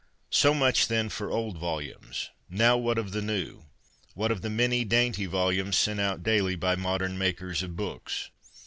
So much, then, for old volumes. Now, what of the new ? What of the many dainty volumes sent out daily by modern makers of books